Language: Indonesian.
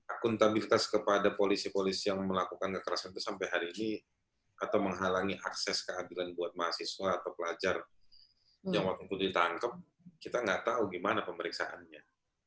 akuntabilitas kepada polisi polisi yang melakukan kekerasan itu sampai hari ini atau menghalangi akses keadilan buat mahasiswa atau pelajar yang waktu itu ditangkap kita nggak tahu gimana pemeriksaannya